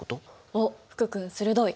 おっ福君鋭い！